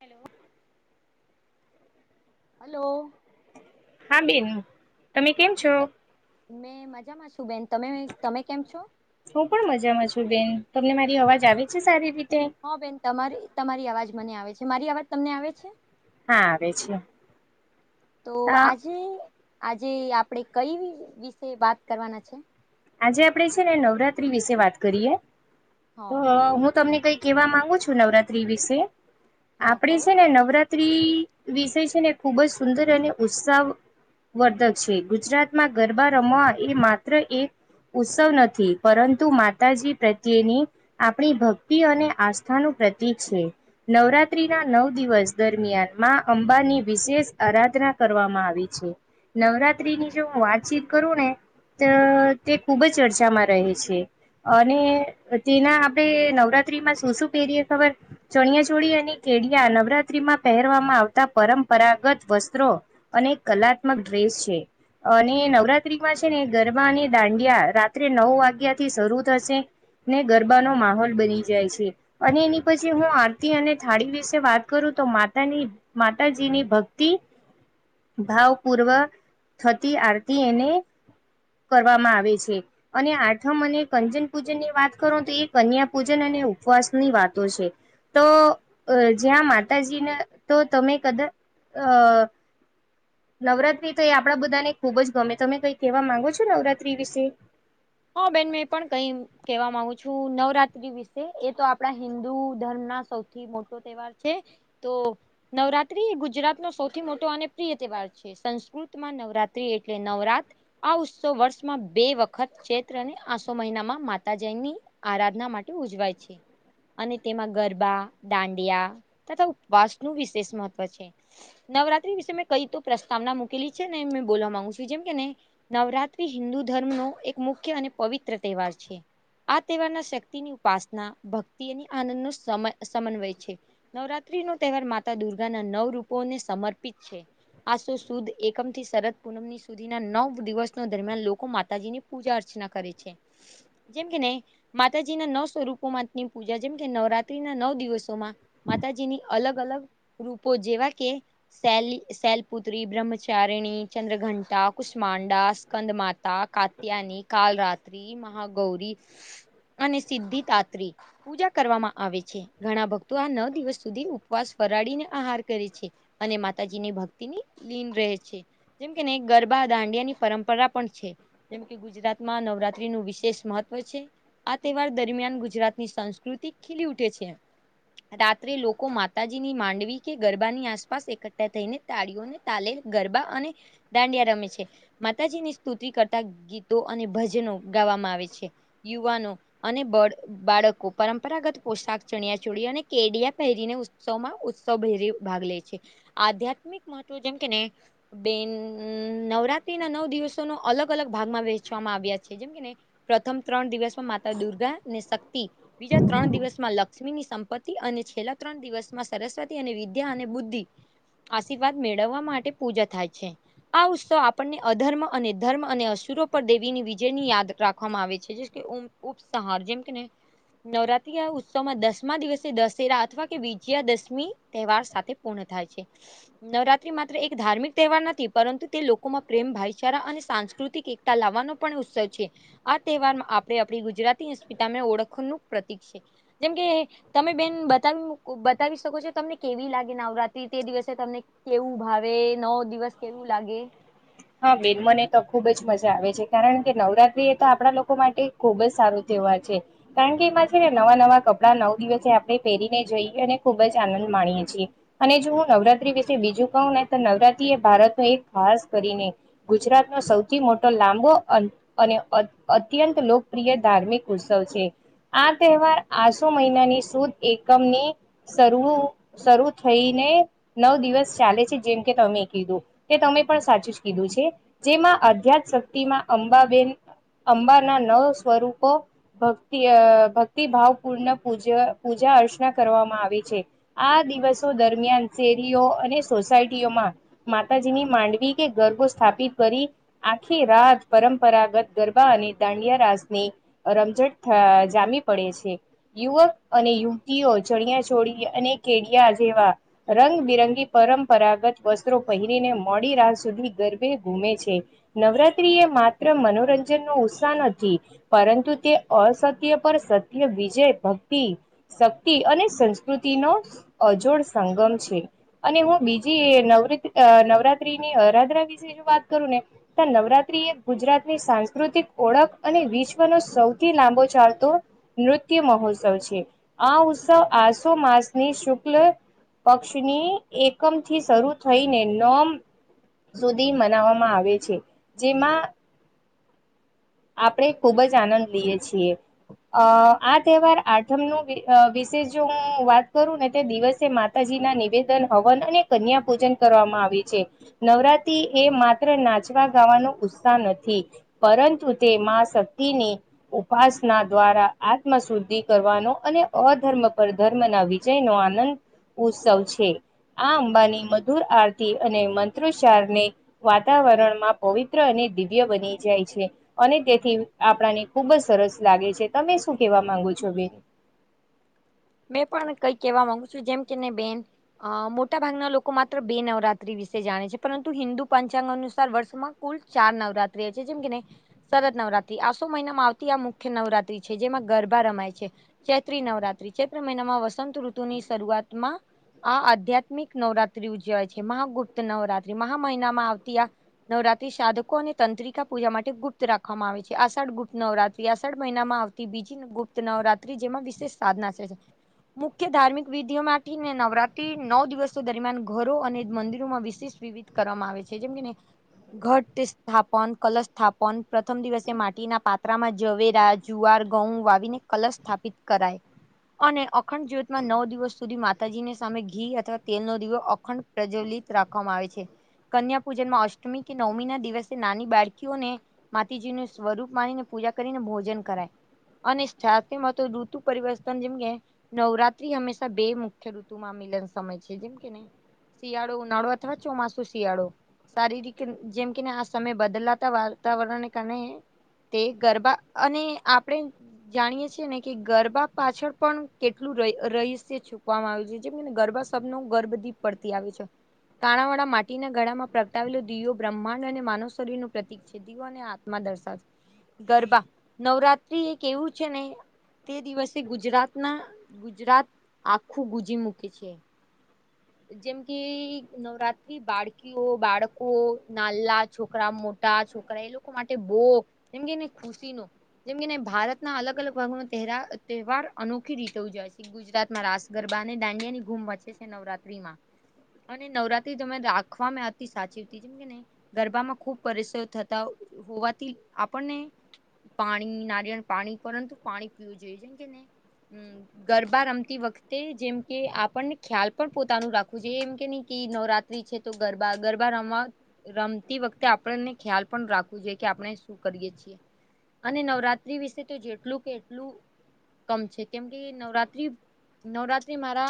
Hello. Hello. હા બેન તમે કેમ છો? મેં મજામાં છું બેન તમે તમે કેમ છો? હું પણ મજામાં છું બેન તમને મારી અવાજ આવે છે સારી રીતે? હા, બેન તમારી તમારી અવાજ મને આવે છે મારી અવાજ તમને આવે છે? હા, આવે છે. તો આજે આજે આપડે કઈ વિશે વાત કરવાના છીએ? આજે આપણે છે ને નવરાત્રી વિશે વાત કરીએ તો હા હું તમને કઈક કેવા માંગુ છું નવરાત્રી વિશે હા કહો આપડી છે ને નવરા ત્રી વિષય છે ને ખુબ જ સુંદર અને ઉત્સાહ વર્ધક છે ગુજરાતમાં ગરબા રમવા એ માત્ર એક ઉત્સવ નથી પરંતુ માતાજી પ્રત્યેની આપણી ભક્તિ અને આસ્થાનું પ્રતીક છે. નવરાત્રી ના નવ દિવસ દરમિયાન માં અંબાની વિશેષ આરાધના કરવામાં આવી છે. નવરાત્રીની જો હું વાતચીત કરું ને ત તે ખૂબ જ ચર્ચામાં રહે છે. અને તેના આપડે નવરાત્રીમાં શું શું પહેરીએ ખબર? ચણિયાચોળી અને કેડિયા નવરાત્રીમાં પહેરવામાં આવતા પરંપરાગત વસ્ત્રો અને કલાત્મક ડ્રેસ છે અને નવરાત્રીમાં છે ને ગરબા અને દાંડિયા રાત્રે નવ વાગ્યાથી શરૂ થશે ને ગરબાનો માહોલ બની જાય છે. અને એની પછી હું આરતી અને થાળી વિશે વાત કરું તો માતાની માતાજીની ભક્તિ ભાવ પૂર્વ થતી આરતી એને કરવામાં આવે છે. અને આઠમ અને કંજન પૂજન ની વાત કરો તો એ કન્યા પૂજન અને ઉપવાસની વાતો છે. તો અ જ્યાં માતાજીને તો તમે કદાચ અ [unintelligible] નવરાત્રી તો એ આપણા બધાને ખુબ જ ગમે તમે કઈ કેહેવા માંગો છો નવરાત્રી વિશે? હા બેન મે પણ કઈ કેહેવા માગુ છું નવરાત્રી વિશે એ તો આપણા હિન્દુ ધર્મના સૌથી મોટો તહેવાર છે તો નવરાત્રી એ ગુજરાત નો સૌથી મોટો અને પ્રિય તહેવાર છે. સંસ્કૃત માં નવરાત્રી એટલે નવરાત આ ઉત્સવ વર્ષમાં બે વખત ચૈત્રને આસો મહિનામાં માતા જૈની આરાધના માટે ઉજવાય છે. અને તેમાં ગરબા દાંડિયા તથા ઉપવાસ નું વિશેષ મહત્વ છે. નવરાત્રી વિશે મેં કઈ તો પ્રસ્તાવના મુૂકેલી છે ને મે બોલવા માંગુ છું જેમ કેને નવરાત્રી હિન્દુ ધર્મનો એક મુખ્ય અને પવિત્ર તહેવાર છે. આ તહેવારના શક્તિની ઉપાસના ભક્તિ અને આનંદ નો સમ સમન્વય છે. નવરાત્રી નો તહેવાર માતા દુર્ગાના નવ રૂપોને સમર્પિત છે. આસો સુદ એકમ થી શરદ પૂનમની સુધી ના નવ દિવસો દરમિયાન લોકો માતાજીની પૂજા અર્ચના કરે છે જેમ કે નહી માતાજીના નવ સ્વરૂપોમાંની પૂજા જેમ કે નવરાત્રી ના નવ દિવસોમાં માતાજીની અલગ અલગ રૂપો જેવા કે શૈલી શૈલપુત્રી, બ્રહ્મચારિણી, ચંદ્રઘંટા, કુષ્માંડા, સ્કંદ માતા કા [unintelligible] ત્યાની કાલરાત્રી, મહાગૌરી અને સિદ્ધિતાત્રી પૂજા કરવામાં આવે છે ઘણા ભક્તો આ નવ દિવસ સુધી ઉપવાસ ફરાળીને આહાર કરે છે. અને માતાજીની ભક્તિની લીન રહે છે. જેમ કેને ગરબા દાંડિયાની પરંપરા પણ છે. જેમ કે ગુજરાતમાં નવરાત્રીનું વિશેષ મહત્વ છે. આ તહેવાર દરમિયાન ગુજરાતની સંસ્કૃતિ ખીલી ઉઠે છે. રાત્રે લોકો માતાજી ની માંડવી કે ગરબાની આસપાસ એકઠઠા થઈને તાળીઓને તાલેલ ગરબા અને દાંડિયા રમે છે માતાજી ની સ્તુતિ કરત તા ગીતો અને ભજનો ગાવામાં આવે છે યુવાનો અને બળ બાળકો પરંપરાગત પોશાક ચણિયા ચોળ અને કેડિયા પહેરીને ઉત્સવમાં સભરી ભાગ લે છે આધ્યાત્મિક મહત્વ જેમ કે ને બેન નવરાત્રી ના નવ દિવસો ન અલગ અલગ અલગ ભાગમાં વહેચવામાં આવ્યા છે જેમ કેને પ્રથમ ત્રણ દિવસમાં માતા દુર્ગા ને શક્તિ બીજા ત્રણ દિવસમાં લખ લક્ષ્મી ની સંપત્તિ અને છેલ્લા ત્રણ દિવસ માં સરસ્વતી અને વિદ્યા અને બુદ્ધિ આશીર્વાદ મેળવવા માટે પૂજા થાય છે આ ઉત્સવ આપણને અધર્મ અને ધર્મ અને અસુરો પર દેવીની વિજય ની યાદ રાખવામાં આવે છે જે ઉપસાહાર જેમ કેને નવરાત્રી ઉત્સવમાં દસમા દિવસે દશેરા અથવા કે વિજયા દસમી તવાર સાથે પૂર્ણ થાય છે નવરાત્રી માત્ર એક ધાર્મિક તહેવાર નથી પરંતુ તે લોકોમાં પ્રેમ ભાઈચારા અને સાંસ્કૃતિક એકતા લાવવાનો પણ ઉત્સવ છે આ તહેવારમાં આપડે આપણી ગુજરાતી અસ્પિતામાં ઓળખનુંું પ્રતિક છે જેમ કે તમે બેન બતાવી બતાવી શકો છો તમને કેવી લાગે નેવરાત તે દિવસે તમને કેવું ભાવે નવ દિવસ કેવું લાગે હા બેન મને તો ખુબ જ મજા આવે છે કારણ કે નવરાત્રી એ તો આપણા લોકો માટે ખુબ જ સારો તહેવાર છે કારણ કે એમાં છે ને નવા નવા કપડા નવ દિવસે આપણે પહેરીને જઈએ અને ખુબ જ આનંદ માણીએ છીએ અને જો હું નવરાત્રી વિશે બીજું કહું ને તો નવરાત્રી એ ભારતનો એક ખાસ કરીને ગુજરાત નો સૌથી મોટો લાંબો અને અત્યંત લોકપ્રિય ધાર્મિક ઉત્સવ છે આ તહેવાર આસો મહિનાની સુદ એકમની શવું શરૂ થઈને નવ દિવસ ચાલે છે જેમ કે તમે કીધું કે તમે સાચું જ કીધું છે જેમાં અધ્યાત શક્તિમાં અંબાબેન અંબા ના નવ સ્વરૂપો ભક્તિ ભક્તિભાવ પૂર્ણ પૂજ પૂજા અર્ચના કરવામાં આવી છે આ દિવસો દરમિયાન શેરીઓ અને સોસાયટીઓમાં માતાજીની માંડવી કે ઘર સ્થાપિત કરી આખી રાત પરંપરાગત ગરબા અને દાંડિયા રાજસની રમઝટ જામી પડે છે યુવક અને યુવતીઓ ચણિયા ચોળી અને કેડિયા જેવા રંગ બિરંગી પરંપરાગત વસ્ત્રો પહેરીને મોડી રાત સુધી ગર્ભે ગુમે છે નવરાત્રી એ માત્ર મનોરંજન નો ઉત્સાહ નથી પરંતુ તે અસત્ય પર સત્ય વિજય ભક્તિ શક્તિ અને સંસ્કૃતિ નો અજોડ સંગમ છે અને હું બીજી નવ નવરાત્રી ની અરાધા વિશે જો વાત કરું ને ત નવરાત્રી એક ગુજરાતની સાંસ્કૃતિક ઓળખ અને વિશ્વનો સૌથી લાંબો ચાલતો નૃત્ય મહોત્સવ છે આ ઉત્સવ આસો માસની શુક્લ પક્ષની એકમ થી શરૂ થઈને નોમ સુધી મનાવવામાં આવે છે જેમાં આપણે ખુબ જ આનંદ લઈએ છીએ અ આ તહેવાર આઠમ ન વિશે જો હું વાત કરું ને તે દિવસે મા માતાજી ના નિવેદન હવન અને કન્યા પૂજન કરવામાં આવે છે નવરાત્રી એ માત્ર નાચવા ગાવાનો ઉત્સાહ નથી પરંતુ તેમાં શક્તિની ઉપાસના દ્વારા આત્મ શુદ્ધિ કરવાનો અને અધર્મ પર ધર્મ ના વિ ય નો આનંદ ઉત્સવ છે આ અંબાની મધુર આરતી અને મંત્રોચ્ચારને વાતાવરણમાં પવિત્ર અને દિવ્ય બની જાય છે અને તેથી આપણાને ખુબ જ સરસ લાગે છે તમે શું કેવા માંગુ છો બિન મેં પણ કઈ કેહેવા માંગુ છું જેમ કેને બેન. અ મોટા ભાગના લોકો માત્ર બે નવરાત્રી વિશે જાણે છે પરંતુ હિન્દુ પંચાંગ અનુસાર વર્ષમાં. કુલ ચાર નવરાત્રી છે જેમ કેને. શરદ નવરાત્રી આસો મહિનામાં આવતી આ મુખ્ય નવરાત્રી છે જેમાં ગરબા રમાય છે. ચૈત્રી નવરાત્રી ચૈત્રી મહિનામાં વસંતઋતુ ની શરૂઆત માં. આ આધ્યાત્મિક નવરાત્રી ઉજવાય છે મહાગુપ્ત નવરાત્રી મહા મહિનામાં આવતી આ. નવરાત્રી સાધકો અને તંત્રિકા પૂજા માટે ગુપ્ત રાખવામાં આવે છે આષાઢ ગુપ્ત નવરાત્રી આષાઢ મહિનામાં. બીજી ગુપ્ત નવરાત્રી જેમાં વિશેષ સાધના છે. મુખ્ય ધાર્મિક વિધિઓમાંથીને નવરાત્રી નવ દિવસો દરમિયાન ઘરો અને મંદિરોમાં વિશેિષ. કરવામાં આવે છે જેમ કેને. ઘટ સ્થાપન કલશ સ્થાપન પ્રથમ દિવસે માટીના પાત્રામાં જવેરા. જુવાર ઘઉં વાવીને કલશ સ્થાપિત કરાય. અને અખંડ જ્યોતમાં નવ દિવસ સુધી માતાજીની સામે ઘી અથવા તેલ નો દીિવો અખંડ. પ્રજ્વલિત રાખવામાં આવે છે કન્યા પૂજન માં અષ્ટમી કે નવમી ના દિવસે નાની બાળકીઓને. માતીજી ન સ્વરૂપ માનીને પૂજા કરીને ભોજન કરાય અને સાથે ઋતુ. પરિવર્તન જેમ કે નવરાત્રી હંમેશા બે મુખ્ય ઋતુમાં મિલન સમય છે જેમ કે ને. શિયાળો ઉનાળો અથવા ચોમાસું શિયાળો. શારીરિક જેમ કેને આ સમય બદલાતા વાતાવરણને કારણે. તે ગરબા અને આપણેે જાણીએ છીએ ને કે ગરબા. ગા પાછળ પણ કેટલું રહીશ્ય ચૂકવામાં આવ્યું છે જેમ કેને ગરબા શબ ન ગર્ભદીપ. પડતી આવી છે. તાણાવાળા માટીના ગળા માં પ્રગટાવેલો દીવયો બ્રહ્માંડ અને માનવ શરીરનુંું પ્રતિક છે. સધિઓને આત્મા દર્શાવ. ગરબા નવરાત્રી એક એવું છે ને તે દિવસ. ગુજરાત ના ગુજરાત આખું ગુજી મૂકે છે. હ. જેમ કે નવરાત્રી બાળકી. બાળકો નાલા છોકરા મોટા છોકરા એ લોકો માટે બોગ. જેમ કેને ખુશી નો જેમ કેને ભારતના અલગ અલગ ભાગનો ચહેરા. તહેવાર અનોખી રીતે જાય છે. ગુજરાતમાં રાસ ગરબા અને દાંડિયા ની ગુમ વચે છે નવરાત્રી માં. અને નવરાત્રી તમે રાખવાવામાં અતી સાચીતી જેમ. ગરબામાં ખુબ પરેશ થતા હોવાથી આપણને. પાણી નારિયળ પાણી પરંતુ પાણી પીવું જોઈ જ કે નને. ગરબા રમતી વખતે જેમ કે આપણને ખ્યાલ પણ પોતાનું રાખવું જોઈ એમ કે નહ નવરાત. છે તો ગરબા ગરબા રમવા. રમતી વખતે આપણને ખ્યાલ પણ રાખવું જોઈએ કે આપણે શું કરીએ છીએ. અને નવરાત્રી વિશે તો જેટલું કે એટલું. કમ છે કેમ કે નવરાત્રી. નવરાત્રી મારા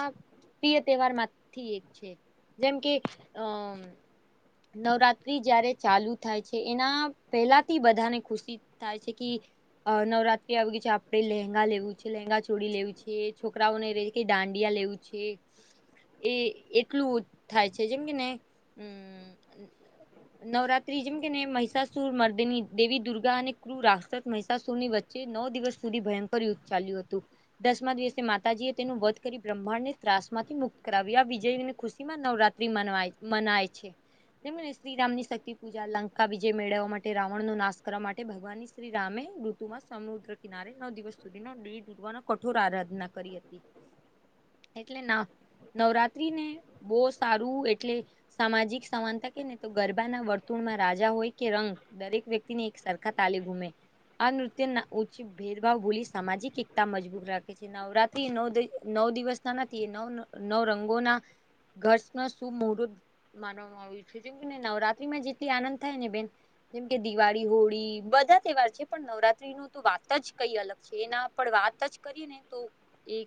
પ્રિય તહેવાર માંથી એક છે. જેમ કે અમ. નવરાત્રી જયારે ચાલુ થાય છે એના પહેલાથી બધાને ખુશી. થાય છે કે નવરાત્રી આવી ગઈ છે આપડે લહેંગા લેવું. લેંગા ચોડી લેવું છે છોકરાઓને ર કે દાંડિયા લેવું છે. એ એટલું થાય છે જેમ કેને હમ. નવરાત્રી જેમ કે ને મિસાસુર મર્દેની દેવી દુર્ગા અને ક્રુર રા્ર મિસાસુર ની વચ્ચે. જે નવ દિવસ સુધી ભયંકર યુદ્ધ ચાલ્યું હતું. દસમા દિવસે માતાજીએ તેનું વધ કરી બ્રહ્માંડને ત્રાસ માંથી મુક્ત કરાવી આ વિજયને ખુશી માં નવરાત્ર. ય મનાય છે. તેમમ શ્રીરામ ની શક્તિ પૂજા લંકા વિજય મેળવવા માટે રાવણ નો નાશ કરવા માટે ભગવાનની. શ્રી રામે ઋતુમાં સમુદ્ર કિનારે નવ દિવસ સુ દેહવાનો કઠોર આરાધના કરી હતી એટલે ના નવરાત્રી ને બહુ સારું એટલે સામાજિક સમાનતા કે ને તો ગરબાના વર્તુળમાં રાજા હોય કે રંગ દરેક વ્યક્તિને એક સરખા તાલી ગુમે આ નૃત્ય ઓછી ભેદભાવ ભૂલી સામાજિક એકતા મજબૂત રાખે છે નવરાત્રી નવ નવ દિવસ ના નથી એ નવ નવ રંગોના ઘર્ષ ન શું મુહૂર્ત માનવામાં આવ છે જેમ કેને નવરાત્રીમાં જેટલી આનંદ થાય ને બેન જેમ કે દિવાળી હોળી બધા તહેવાર છે પણ નવરાત્રી ન તો વાત જ કઈ અલગ છેના પણ વાત જ કરીએ ને તો એ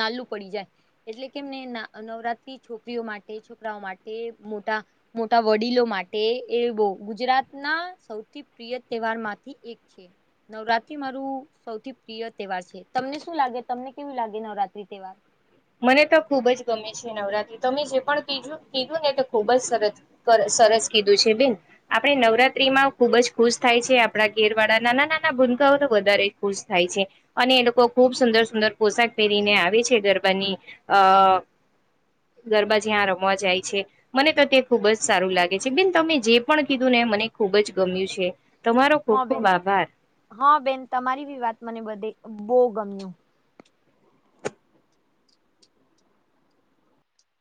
નાલું પડી જાય એટલે કેમને નવરાત્રી છોકરીઓ માટે છોકરાઓ માટે મોટા મોટા વડીલો માટે એ બ ગુજરાતના સૌથી પ્રિય તહેવાર માંથી એક છે નવરાત્ર મારું સૌથી પ્રિય તહેવાર છે તમને શું લાગે તમને કેવું લાગે નવરાત્રી તહેવાર મને તો ખૂબ જ ગમે છે નવરાત્રી તો મેમે જે પણ કીજું કીધું ને એ ખૂબ જ સરસ સરસ કીધું છે બેન આપણે નવરાત્રીમાં ખુબ જ ખુશ થાય છે આપણા ઘેરવાળા નાના નાના ભૂનકાઓ તો વધારે ખુશ થાય છે અને એ લોકો ખૂબ સુંદર સુંદર પોશાક પહેરીને આવે છે ગરબાની અ ગરબા જ્યાં રમવા જાય છે મને તો તે ખૂબ જ સારું લાગે છે બેિન તમે જે પણ કીધું ને મને ખૂબ જ ગમ્યું છે તમારો ખૂબ હા ખુબ બેન આભાર હા બેન તમારી ભી વાત મને બધે બહુ ગમ્યું